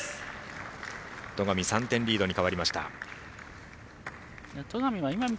戸上、３点リードに変わりました。